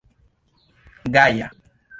gaja